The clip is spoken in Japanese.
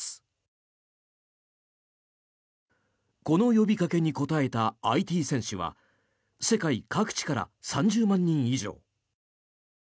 この呼びかけに応えたＩＴ戦士は世界各地から３０万人以上。